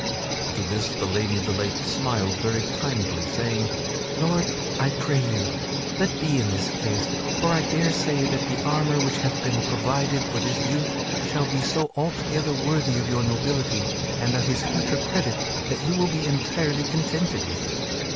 To this the Lady of the Lake smiled very kindly, saying, "Lord, I pray you, let be in this case, for I daresay that the armor which hath been provided for this youth shall be so altogether worthy of your nobility and of his future credit that you will be entirely contented with it."